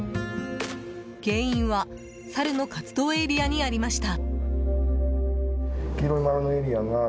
原因は、サルの活動エリアにありました。